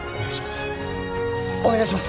お願いします